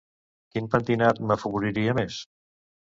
Quin pentinat m'afavoriria més?